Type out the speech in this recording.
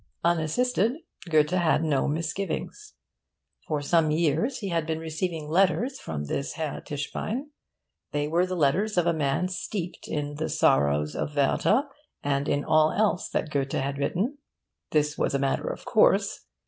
Unassisted Goethe had no misgivings. For some years he had been receiving letters from this Herr Tischbein. They were the letters of a man steeped in the Sorrows of Werther and in all else that Goethe had written. This was a matter of course.